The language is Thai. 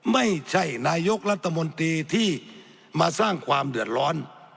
ไม่ใช่นายกรัฐมนตรีที่มาสร้างความเดือดร้อน